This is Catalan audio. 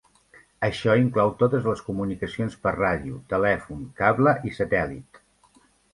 Això inclou totes les comunicacions per ràdio, telèfon, cable i satèl·lit.